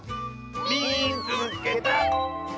「みいつけた！」。